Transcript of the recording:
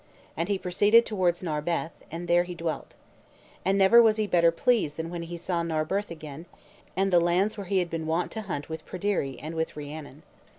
And he proceeded towards Narberth, and there he dwelt. And never was he better pleased than when he saw Narberth again, and the lands where he had been wont to hunt with Pryderi and with Rhiannon.